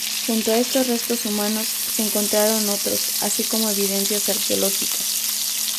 Junto a estos restos humanos se encontraron otros así como evidencias arqueológicas.